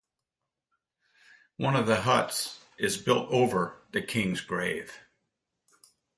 One of the huts is built over the king's grave.